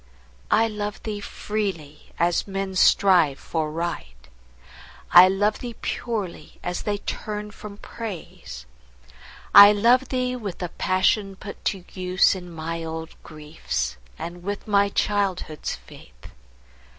I love thee freely, as men strive for Right; I love thee purely, as they turn from Praise. I love thee with the passion put to use In my old griefs, and with my childhood's faith.